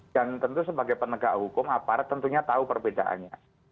dan tentu sebagai penegak hukum aparat tentunya tahu perbedaannya